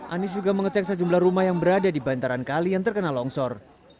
anies juga mengecek sejumlah rumah yang berada di bantaran kali yang terkena longsor